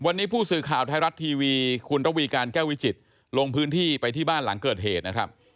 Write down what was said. วันนี้ผู้สื่อข่าวไทยรัฐทีวีคุณระวีการแก้ววิจิตรลงพื้นที่ไปที่บ้านหลังเกิดเหตุนะครับ